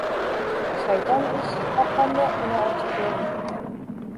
• Shayton eshik qoqqanda uni ocha ko‘rma.